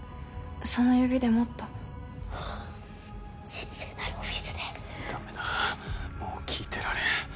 その指でもっとああ神聖なるオフィスでダメだもう聞いてられん